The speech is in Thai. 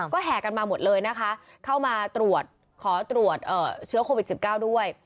แห่กันมาหมดเลยนะคะเข้ามาตรวจขอตรวจเชื้อโควิด๑๙ด้วย